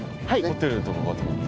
ホテルとかかと思った。